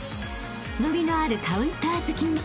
［伸びのあるカウンター突きに］